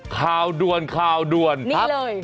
ข่าวด้วนข่าวด้วนครับนี่เลย